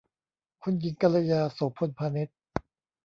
คุณหญิงกัลยา โสภณพนิช